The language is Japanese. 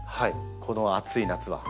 この暑い夏は特に。